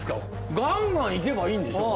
ガンガンいけばいいんでしょ。